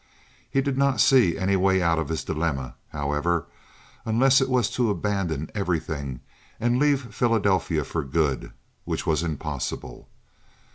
He did not see any way out of his dilemma, however, unless it was to abandon everything and leave Philadelphia for good, which was impossible.